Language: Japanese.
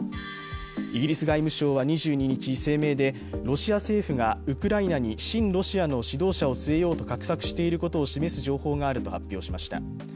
イギリス外務省は２２日、声明でロシア政府がウクライナに親ロシアの指導者を据えようと画策していることを示す情報があると発表しました。